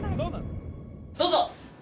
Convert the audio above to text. どうぞ。